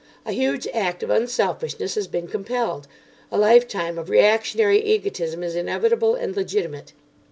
A huge act of unselfishness has been compelled; a lifetime of reactionary egotism is inevitable and legitimate.